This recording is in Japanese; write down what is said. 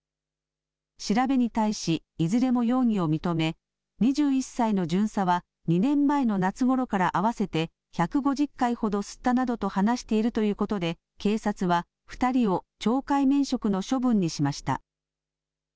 調べに対しいずれも容疑を認め、２１歳の巡査は、２年前の夏ごろから合わせて１５０回ほど吸ったなどと話しているということで、警察は２人を懲戒免職の処分にしました。